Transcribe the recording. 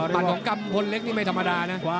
มัดของกัมพลเล็กนี่ไม่ธรรมดานะ